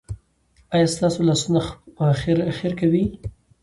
ایا ستاسو لاسونه خیر کوي؟